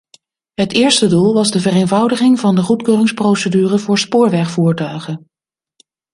Het eerste doel was de vereenvoudiging van de goedkeuringsprocedure voor spoorwegvoertuigen.